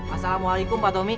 assalamualaikum pak tommy